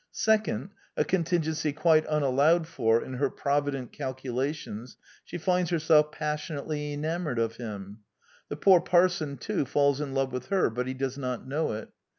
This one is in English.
Second — a contingency quite un allowed for in her provident calculations — she finds herself passionately enamored of him. The poor parson, too, falls in love with her; but he does not know it.